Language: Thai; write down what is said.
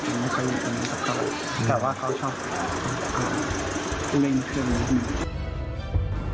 แต่ว่าเขาชอบเล่นเครื่องรถ